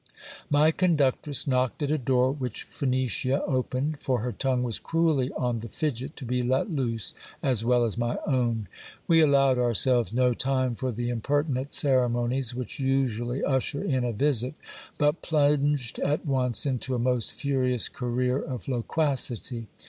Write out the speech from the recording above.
My conductress knocked at a door which Phenicia opened ; for her tongue was cruelly on the fidget to be let loose, as well as my own. We allowed ourselves no time for the impertinent ceremonies which usually usher in a visit, but plunged at once into a most furious career of loquacity.